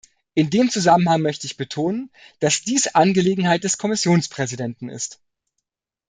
In dem Zusammenhang möchte ich betonen, dass dies Angelegenheit des Kommissionspräsidenten ist.